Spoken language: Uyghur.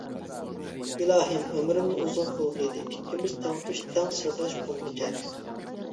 ئىلاھىم، ئۆمرۈمنى ئۇزۇن قىلغىيدى، ئىككىمىز «تەڭتۇش» تەك سىرداش بولغۇچە.